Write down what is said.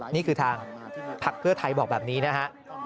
นี่คือทางพักเพื่อไทยบอกแบบนี้นะฮะ